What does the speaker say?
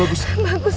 ibu sini ibu bagus